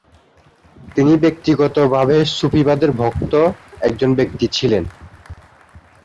তিনি ব্যক্তিগতভাবে সুফিবাদের ভক্ত একজন ব্যক্তি ছিলেন।